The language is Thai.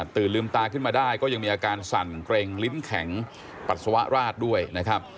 ตื่นลืมตาขึ้นมาได้ก็ยังมีอาการสั่นเกร็งลิ้นแข็งปัสสาวะราดด้วยนะครับ